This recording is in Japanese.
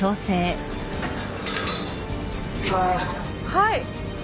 はい。